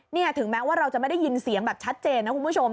นี่ถึงแม้ว่าเราจะไม่ได้ยินเสียงแบบชัดเจนนะคุณผู้ชม